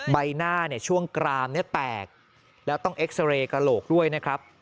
ใบหน้าเนี่ยช่วงกรามเนี่ยแตกแล้วต้องเอ็กซาเรย์กระโหลกด้วยนะครับ